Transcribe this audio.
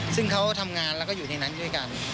ซึ่งเขาทำงานแล้วก็อยู่ในนั้นด้วยกัน